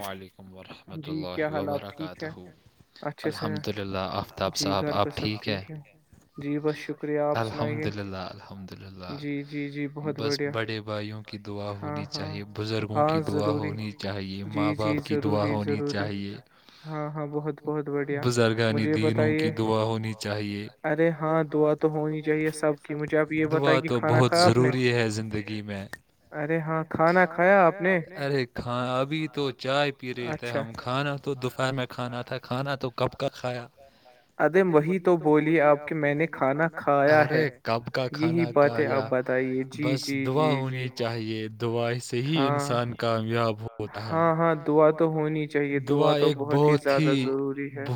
وعلیکم ورحمۃ اللہ وبرکاتہ الحمد للہ آفتاب صاحب آپ ٹھیک ہیں الحمد للہ الحمد للہ بس بڑے بھائیوں کی دعا ہونی چاہیے بزرگوں کی دعا ہونی ماں باپ کی دعا ہونی چاہیے بزرگ دینوں کی دعا ہونی چاہیے ارے ہاں دعا تو ہونی چاہے سب دعا تو بہت ضروری ہے زندگی میں ارے ہاں کھانا کھایا آر ہاں ابھی تو چائے پی رہے تھ ہم کھانہ تو دوپہر میں کھانا تھا کھانا تو کب کھایا ا وہی تو بولی آپ کے میں نے کھانا کھا ارے کب کا کھانا کا یا بس دعا ہونی چاہیے دعائی سے ہی انسان کامیاب ہاں ہاں دعا تو ہونی چاہیے دعا تو بہت ہی زیادہ ضروری ہے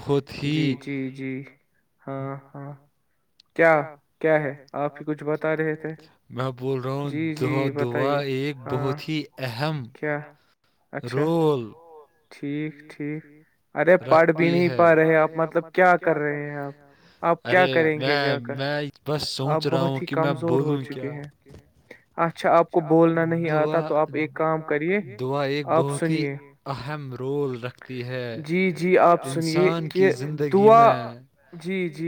جی جی جی ہاں ہاں کیا کیا ہے آپ کچھ بتا رہے میں بول رہا ہوں دا دعا ایک بہت ہی اہم رول یکٹیک رکھتی ہےے آپ مطلب کیا کر رہے ہیں ارے میں میں بس سوچ رہا ہوں کہ میں بولوں کیا اچھا آپ کو بول دعا تو آپ ایک کام کریے دعا ایک بہت ہی اہم رول رکھتی ہے انسان کی زندگی میں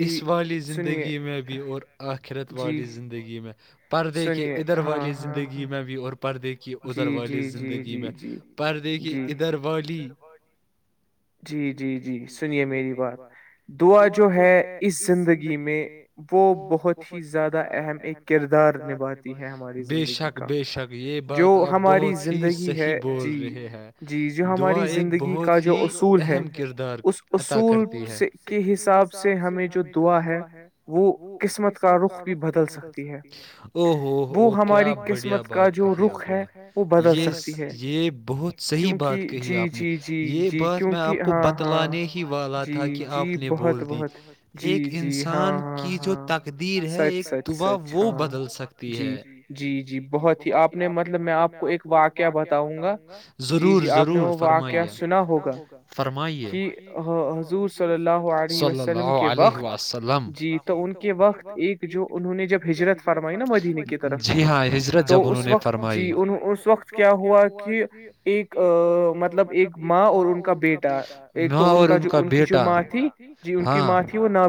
اس والی زندگی میں بھی اور آ کرت والی زندگی میں [inaudible] پردے کی ادھر و زندگی میں بھی اور پردے کی ادھر والی زندگی میں پردے کی ادھر والی جی جی جی سنیے میری بات دعا جو ہے اس زندگی میں وہ بہت ہی زیادہ اہم ایک کردار نبھاتی ہے ہماری بے شک بے شک یہ بات آپ بہت ہی صحیح بول رہے ہیں دعا ایک بہت ہی اہم کردار ادا کرتی ہے کے حساب سے ہمیں جو دعا ہے وہ قسمت کا رخ بھی بدل سکتی ہے او ہووو کیا بڑھیا بات کہی آپ نے یہ یہ بہت صحی بات کہی آپ نے یہ بات میں آپ کو بتلانے ہی والا تھا کہ آپ نے بول دی ایک انسان کی جو تقدیر ہے ایک دعا وہ بدل سکتی ہے جی جی بہت ہی آپ نے مطلب میں آپ کو ایک واقعہ بتاؤں گا ضرور ضرور فرمائیے کیا سنا ہوگا کہ حضور صلی اللہ علیہ وسلم کے وقت جی تو ان کے وقت ایک جو انہوں نے جب ہجرت فرمائی نا مدینے کے تو تو اس وقت جی اس وقت کیا ہوا کہ ایک مطلب ایک ماں اور ان ان کا بیا م اور ان کا بیٹا ہاںھی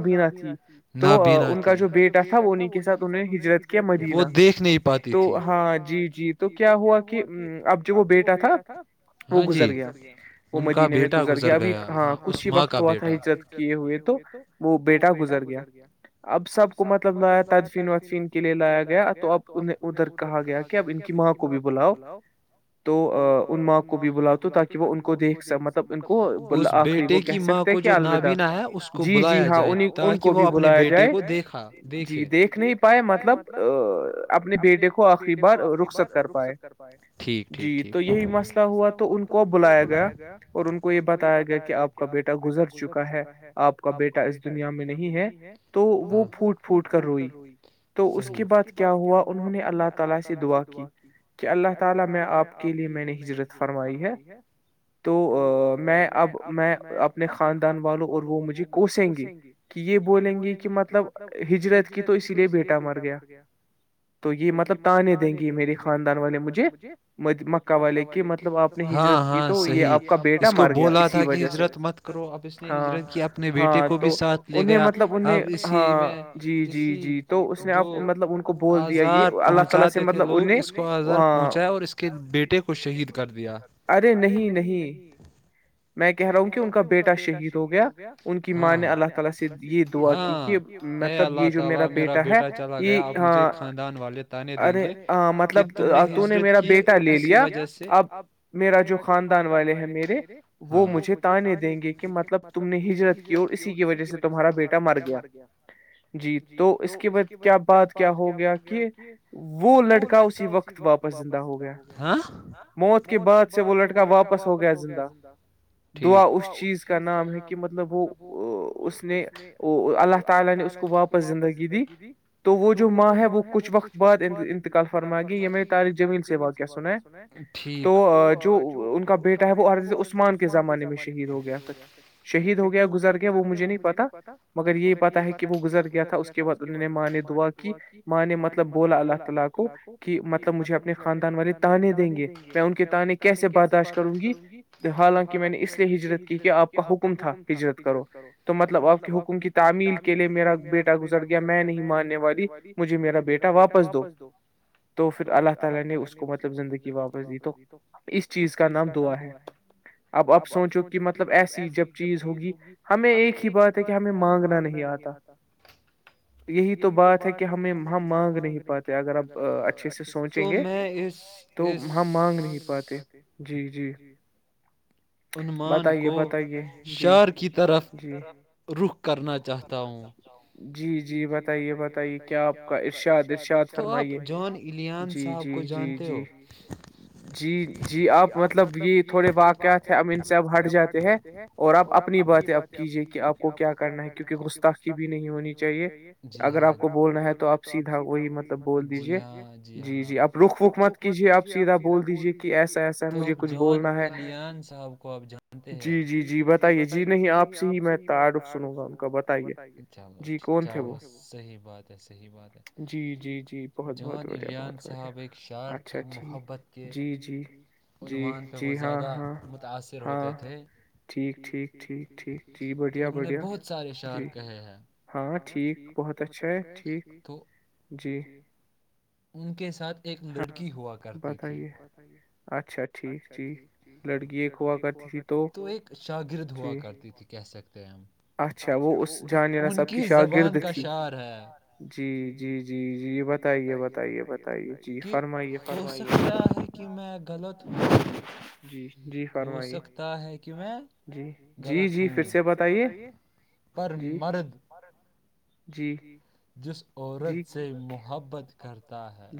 نابینا تھی ان کا جو بیا تھا کے ساتھ ہجرت کیا وہ دیکھ نہیں پاتی تھی ہاں جی جی تو کیا ہوا کہ اب جو وہ بیٹا تھا ہاں جی گزر گیا مدینے میں گزر گیا ابھی ہاں کچھ ہی وقت ہوا تھا ہجت کیے ہوئے تو وہ بیٹا گزر گیا اب سب کو مطلب لایا تدفین ودفین کے لیے ل لے لایا گیا تو اب انیں ادھر کہا گیا کہ اب ان کی ماں کو بھی بلاؤ تو ان ماں کو بھی بلا تو تاکہ وہ ان کو دیکھ مطلب اس بیٹے کی ماں کو جو نابینا ہے اس کو بلایا جائے تاکہ وہ اپنے بیٹے کو دیکھا دیکھے دیکھ نہیں پائے مطل مطلب اپنے بیٹے کو آخری بار رخصت کر پائے ٹھیک ٹھیک ٹھیک تو یہی مسئلہ ہوا تو ان کو بلایا گیا اور ان کو یہ بتایا گیا کہ آپ کا بیٹا گزر چکا ہے آپ کا بیٹا اس دنیا میں نہیں ہے تو وہ پوٹ پوٹ کر روئی تو اس کے بعد کیا ہوا انہوں نے اللہ تعالی سے دعا کی کہ اللہ تعالی میں اپ کے لیے میں نے ہجرت فرمائی ہے تو میں اب میں اپنے خاندان والوں اور وہ مجھے کوسیں گے کہ یہ بولیں گے کہ مطلب ہجرت کی تو اسی لیے بیٹا مار مر گیا تو یہ مطلب تانے دیں گی میری خاندان والے مجھے مکہ والے کی مطلب ی اس کو بولا تھا کہ ہجرت مت کرو اب اس نے ہجرت کی اپنے بیٹے کو بھی ساتھ لے گیا اب اسی میں اسی جو مطلب آزار پہنچاتے تھے لوگ اس کو آزار پہنچایا اور اس کے بیٹے کو شہید کر دیا ارے نہیں میں کہہ رہا ہوں کہ ان کا بیٹا شہید ہو گیا ماں نے اللہ تعالی اے اللہ تعالی میرا بیٹا چلا گیا آپ مجھے خاندان والے تانے دیں گے کہ تم نے ہجرت کی کسی وجہ سے میرا جو والے ہیں میرے وہ مجھے تانے دیں گے کہ مطلب تم نے ہجرت کی اور اسی کی وجہ سے تمہارا بیٹا مر گیا جی تو اس کے بعد کیا بات کیا ہو گیا کہ وہ لڑکا اسی وقت واپس زندہ ہو گیا موت کے بعد سے وہ لڑکا واپس ہو گیا زندہ ٹھیک ہوا اس چیز کا نام ہے کہ مطلب وہ اس میں اللہ تعالی نے اس کو گیدی تو وہ جو ماں ہے وہ کچھ وقت بعد انتقال فرمائیے یہ میں سے واقعہ سنا ہے ٹھیک تو جو بیٹا ہے وہ عثمان کے زمانے میں شہید ہو گیا پھر شہید ہو گیا گزر گیا وہ مجھے نہیں پتا مگر یہی پتا ہے کہ وہ گزر گیا تھا اس کے کے بعد انہوں نے ماں نے دعا کی ماں نے مطلب بولا اللہ تعالی کو کہ مطلب مجھے اپنے خاندان والے تاننے دیں گے میں ان کے تے کیسے برداشت کروں گی حالانکہ میں نے اس لیے ہجرت کی کہ آپ کا حکم تھا ہجرت کرو تو مطلب آپ کے حکم کی تعمیل کے لیے میرا بیٹا گزر کہ میں نہیں ماننے والی مجھے میرا بیٹا واپس دو تو پھر اللہ تعالی نے اس کو مطلب زندگی واپس دی تو اس چیز کا نام دعا ہے اب اب سوچو کہ مطلب ایسی جب چیز ہوگی ہمیں ایک ہی بات ہے کہ ہمیں مانگنا نہیں آتا یہی تو بات ہے کہ ہمیں ہم مانگ نہیں پاتے اگر اب اچھے سے ہم مانگ نہیں پاتے جی جی عنمان کو شعار کی طرف رخ کرنا چاہتا ہوں جی جی بتائیے بتائیے کیا آپ کا ارشاد ارشاد فرمائیے جی جی جی جی جی جی آپ مطلب یہ تھوڑے باق واقع سے اب ہٹ جاتے ہیں اور آپ اپنی باتیں اب کیجیے کہ آپ کو کیا کرنا ہے کیونکہ گستاخی بھی نہیں ہوتی چاہیے جی اگر آپ کو بولنا ہے تو آپ سیدھا وہی مطلب ب جی جی آپ رخ بک مت کیجیے آپ سیدھا بول دیجیے کہ ایسا صاحب کو آپ جانتے ہیں جی جی جی بتائیے جی نہیں آپ سے ہی میں تعارف سنوں گا ان کا بتائیے اناء اللہ چلو صحیح بات ہے صحیح بات ہے جان ایلیان صاحب ایک شعر تھے محبت کے اننوان پہ وہ زیادہ متاثر ہوتے تھے ٹھیک ٹھیکھ تو انہوں نے بہت سارے شہر کہے ہیں ہاں ٹھیک بہت اچھا ہے ٹھیک جی ان کے ساتھ ایک لڑکی ہوا کرتی تھیچ تو ایک شاگرد ہوا کرتی تھی کہ سکتے اچھا وہ اس جان جینا سب ک زبان کا شعار ہے جی جی جی جی بتائیے بتائیے بتے کہ ہو سکتا ہے کہ میں غلط ہوں ہو سکتا ہے کہ میں غلط ہوںھر سے بتائیے پر مرد جی جس عورت سے محبت کر تا ہیں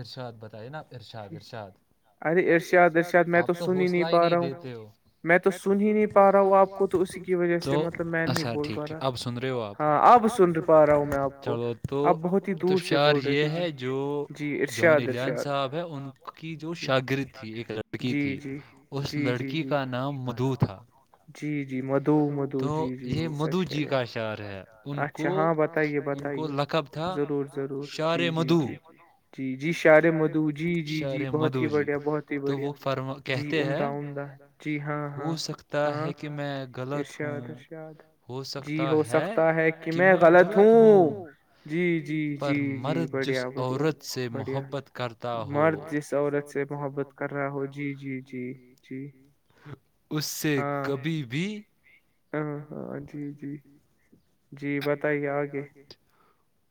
عرش باد بتائی ناپ ارشاد ارشاد ارے ارشاد ارشاد آپ تو حوصلہ ہی نہیں دیتے ہو میں تو سن ہی نہیں پا رہا ہوں آپ کو تو اس کی اچھا ٹھیک ٹھیک اب سن رہے ہو آپ چلو تو تشار یہ ہے جو جون الیان صاحب ہے ان کی جو شاگرد تھی ایک لڑکی تھی اس لڑکی کا نام مدھو تھا مدو تو یہ مدھو جی کا شعر ہے ان کو ان کو لقب تھا شار مدو جی شار مدھو اشارے مدو جی تو وہ فر کہتے ہیں ہو سکتا ہے کہ میں غلط ہوں ہو سکتا ہے کہ میں غلط ہوں پر مرد جس عورت سے محبت کرتا اور جس عورت سے محبت کر رہا ہو جی جی جی جی [inaudible] اس سے کبھی بھی ہاں جی جی جی بت ہی آگے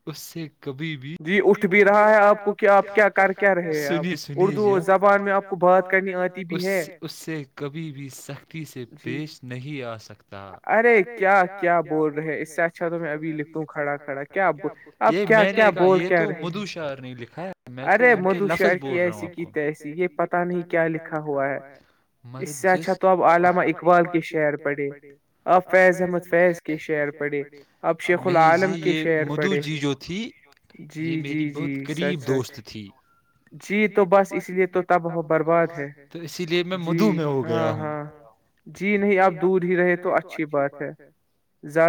اس سے سکھ کبھی بھی جی اٹھ بھی رہا ہے آپ کو آپ کیا سنیے سنیے جبان میں آپ کو بات کرنی اس سے کبھی بھی سختی سے پیش نہیں آ سکتا [inaudible] ارے کیا کیا بول رہے اس سے اچھا تو میں ابھی لکھوں کھڑا کھا کیا یہ نے یہ تو مدو شہر میں توظ بول رہا ہوں یہ پت نہیں کیا لکھا ہوا ہے اچھا تو اب علامہ اقبال کے شعر پڑے فد نہیں جی یہ مدو جی جو تھی یہ میری بہت قریب دوست جی تو بس اس لیے تو تب ہو برباد ہے تو اسی لیے میں مدھو میں ہو گیا ہوں جی نہیں آپ دور ہی رہے تو اچھی بات ہے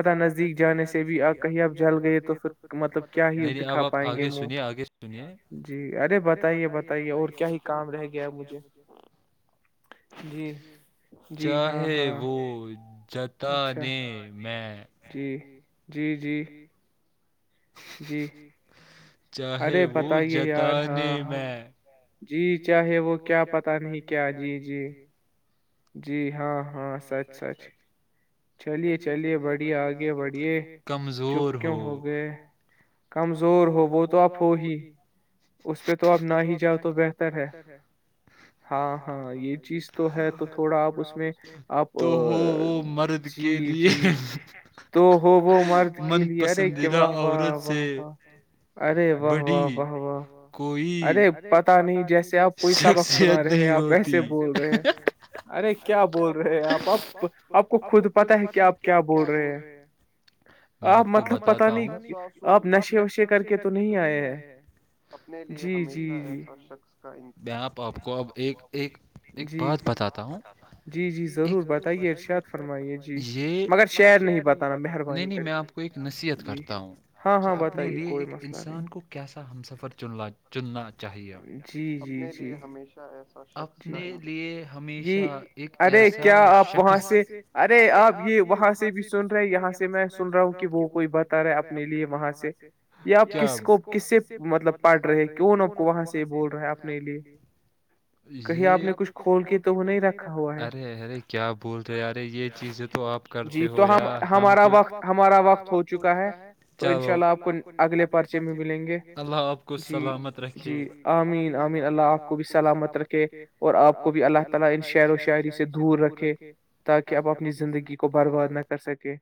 زیادہ نزدیک جانے سے بھی آپ کہی اب جل گئے تو مطلب نہیں اب آپ آگے سنی آگے سنیے جی ارے بتائیے بتائیے اور کیا ہی کام رہ گیا مجھے جی جی ہاں ہاں جتان میں چاہے وہ جتے میں جی چاہے وہ کیا پتہ نہیں کیا جی جی جی ہاں ہاں سچ سچ چلیے چلیے بڑھیے آگے بڑھیے چپ کیوں ہو گئے کمزور ہو وہ تو آپ ہو ہی اس پہ تو آپ نہ ہی جاؤ تو بہت تو بتر ہے ہاں ہاں یہ چیز تو ہے تو تھوڑا آپ اس تو ہو وہ مرد جی جی تو ہو وہو مرد کے لیے ارے کیا واہ واہ واہ واہ ارے واہ واہ واہ واہ ارے پتا جیسے آپ کوئی سبق سنا رہے آپ ایسے بول رہے ہیں ارے کیا بول رہے آپ اب ا آپ کو خود پتاہ ہے کہ آپ کیا بول رہے ہیں میں آپ کو بتا ہوں آپ نشے وشے کر کے تو نہیں آئے ہیں اپنے لیے ہش شخص کاپ [unintelligible] پ آپ کو اب ایک ایک ایک بات بتاتا ہوں جی ج ضرور بتے ف یہگر ش با نہیں میں آپ کو ایک نصیحت کرتا ہوں کہ اپنے لیے ایک انسان کو کیسا ہم سفر چن چننا اچا [unintelligible] چاہیے جی جی جی اپنے لیے ہمیشہ ایک وہاں سے ارے آپ یہ وہاں سے بھی سن رہے یہاں سے میں سن رہا ہوں کہ وہ کوئی بتا رہا ہے اپنے لیے وہاں سے یہ کس کو کس سے ملب پڑھ رہے کی کو وہاں سے بول رہا اپنے لیے یہ آپ نے کچھ کھول کے تو نہیں رکھا ارے ارے کیا بول رہے ارے یہ چیزیں تو آپ کرتے ہو یا ہم تو ہمارا وقت ہو چکا ہے چلو آپ کو اگلے پرچے میں ملیں گے اللہ آپ کو سلامت رکھے این آمین اللہ آپ کو بھی سلامت رکھ کے اور اپ کو بھی اللہ تعالی ان شہر و شاعری سے دور رکھے تاکہ اپ اپنی زندگی کو برباد نہ کر سکے